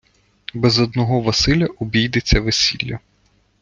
Без одного Василя обійдеться весілля.